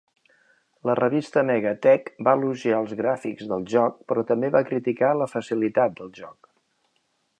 La revista "MegaTech" va elogiar els gràfics del joc, però també va criticar la facilitat del joc.